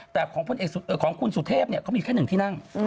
แต่ของคุณสุเทพก็มีแค่หนึ่งพี่นั่ง